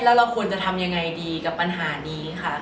แล้วเราควรจะทำยังไงดีกับปัญหานี้ค่ะ